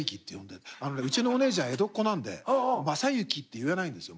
あのねうちのお姉ちゃん江戸っ子なんで「まさゆき」って言えないんですよ。